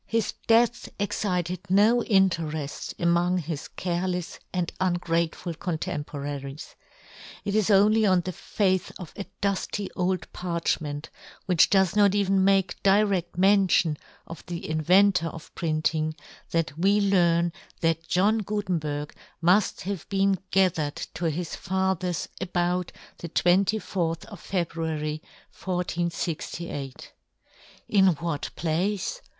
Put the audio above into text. His death excited no intereft among his carelefs and un grateful contemporaries. It is only on the faith of a dufty old parch ment, which does not even make diredt mention of the inventor of printing, that we learn that John Gutenberg muft have been gathered to his fathers about the 24th of Fe bruary, 1468. In what place